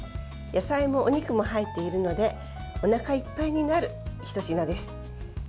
野菜もお肉も入っているのでおなかいっぱいになるひと品です。